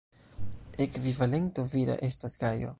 Ekvivalento vira estas Gajo.